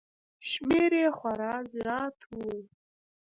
شمېر یې خورا زیات و